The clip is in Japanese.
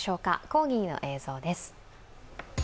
コーギーの映像です。